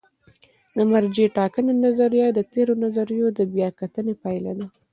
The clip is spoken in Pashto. د مرجع ټاکنې نظریه د تېرو نظریو د بیا کتنې پایله ده.